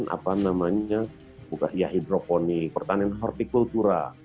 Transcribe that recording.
apa namanya ya hidroponik pertanian holti kultura